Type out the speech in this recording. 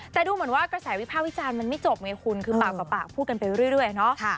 แต่ดูเหมือนว่ากระแสวิภาควิจารณ์มันไม่จบไงคุณคือปากต่อปากพูดกันไปเรื่อยเนาะ